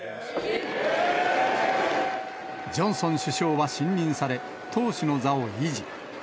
ジョンソン首相は信任され、党首の座を維持。